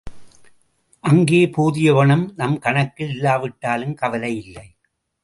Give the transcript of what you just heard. அங்கே போதிய பணம் நம் கணக்கில் இல்லாவிட்டாலும் கவலை இல்லை.